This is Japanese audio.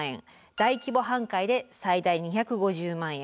大規模半壊で最大２５０万円。